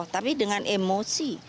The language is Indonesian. tapi dengan emosi